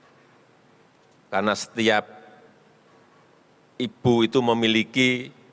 yang ada di lapangan karena setiap ibu itu memiliki